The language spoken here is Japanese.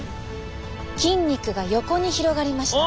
筋肉が横に広がりました。